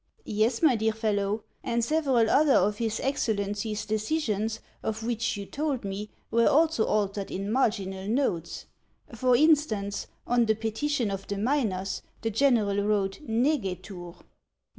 " Yes, my dear fellow ; and several other of his Excel lency's decisions of which you told me, were also altered in marginal notes. For instance, on the petition of the miners, the general wrote, negetur."